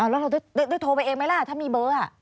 แล้วเราได้โทรไปเองไหมล่ะถ้ามีเบอร์